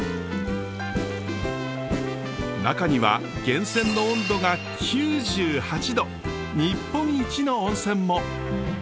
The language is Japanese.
中には源泉の温度が９８℃日本一の温泉も！